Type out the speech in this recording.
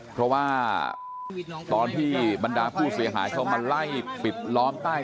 เพราะว่าตอนที่บรรดาผู้เสียหายเข้ามาไล่ปิดล้อมใต้